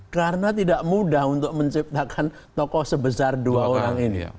karena tidak mudah untuk menciptakan tokoh sebesar dua orang ini